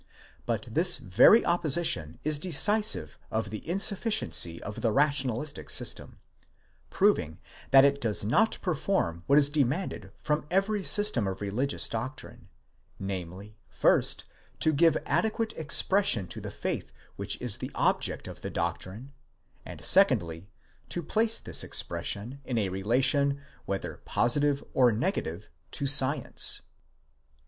But this very opposition is decisive of the insufficiency of the rationalistic system, proving that it does not perform what is demanded from every system of religious doctrine : namely, first, to give adequate expression to the faith which is the object of the doctrine ; and secondly, to place this expression in a relation, whether positive or negative, to science.